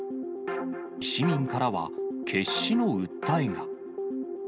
市民からは、決死の訴えが。